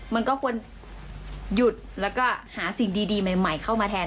มันก็ควรหยุดแล้วก็หาสิ่งดีใหม่เข้ามาแทน